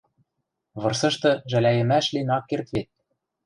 Вырсышты жӓлӓйӹмӓш лин ак керд вет...